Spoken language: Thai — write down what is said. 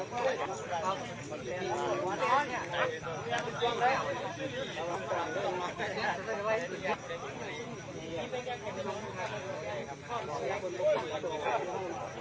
เป็นติดตามที่ประมาณ๑๒๐กิโลเมตรได้